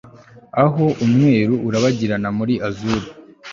Aho umweru urabagirana muri azure